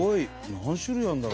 何種類あるんだろう？